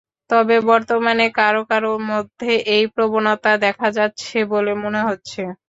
তবে বর্তমানে কারও কারও মধ্যে এই প্রবণতা দেখা যাচ্ছে বলে মনে হচ্ছে।